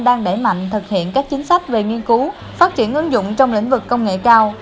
đang đẩy mạnh thực hiện các chính sách về nghiên cứu phát triển ứng dụng trong lĩnh vực công nghệ cao